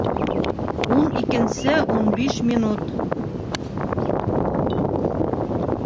Ун икенсе ун биш минут